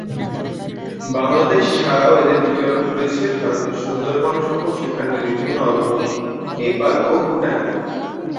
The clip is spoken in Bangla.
বাংলাদেশ ছাড়াও এদের বিচরণ রয়েছে ভারতের সুন্দরবন সহ সেখানের বিভিন্ন অরণ্যে, নেপাল ও ভুটানে।